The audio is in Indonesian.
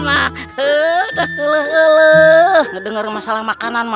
mendengar masalah makanan